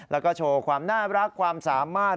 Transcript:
แล้วก็โชว์ความน่ารักความสามารถ